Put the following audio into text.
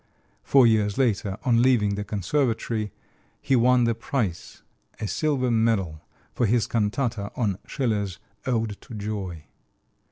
Four years later, on leaving the conservatory, he won the prize, a silver medal, for his cantata on Schiller's "Ode to Joy."